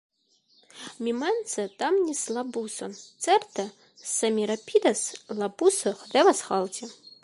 Mi mense damnis la buson: certe, se mi rapidas – la buso devas halti.